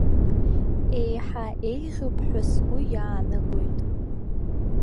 Еиҳа еиӷьуп ҳәа сгәы иаанагоит.